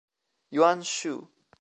Yuan Shu.